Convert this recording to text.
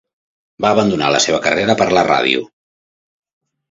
Va abandonar la seva carrera per la ràdio.